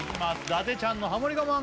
伊達ちゃんのハモリ我慢